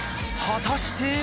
果たして？